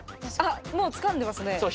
あっもうつかんでますね。